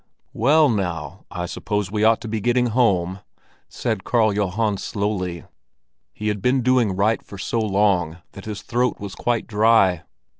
"Well, now, I suppose we ought to be getting home?" said Karl Johan slowly. He had been doing right for so long that his throat was quite dry.